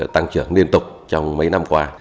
tăng trưởng liên tục trong mấy năm qua